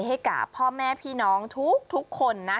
ให้กับพ่อแม่พี่น้องทุกคนนะ